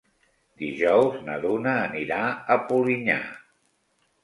Dijous na Duna anirà a Polinyà.